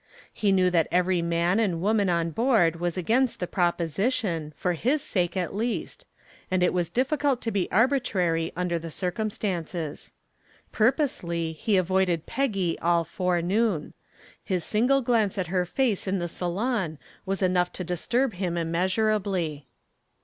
He knew that every man and woman on board was against the proposition, for his sake at least, and it was difficult to be arbitrary under the circumstances. Purposely he avoided Peggy all forenoon. His single glance at her face in the salon was enough to disturb him immeasurably.